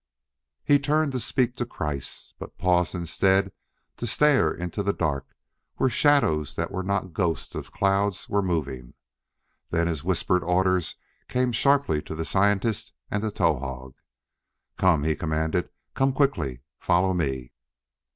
He turned to speak to Kreiss, but paused instead to stare into the dark where shadows that were not the ghosts of clouds were moving. Then his whispered orders came sharply to the scientist and to Towahg. "Come!" he commanded. "Come quickly; follow me!"